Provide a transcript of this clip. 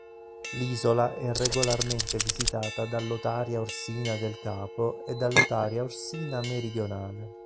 L'isola è regolarmente visitata dall'otaria orsina del Capo e dall'otaria orsina meridionale.